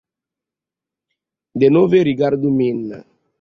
Denove rigardu min.